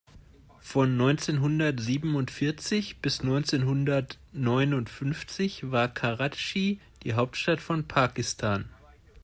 Von neunzehnhundertsiebenundvierzig bis neunzehnhundertneunundfünfzig war Karatschi die Hauptstadt von Pakistan.